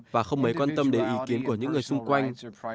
và không mấy quan tâm đến ý kiến của những người xung quanh